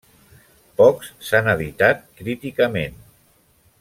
Pocs s'han editat críticament.